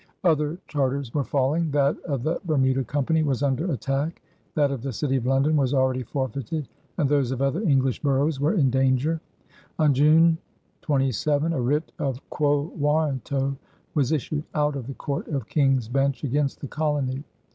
Other charters were falling: that of the Bermuda Company was under attack; that of the City of London was already forfeited; and those of other English boroughs were in danger. On June 27, a writ of quo warranto was issued out of the Court of King's Bench against the colony.